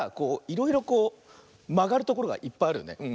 いろいろこうまがるところがいっぱいあるよね。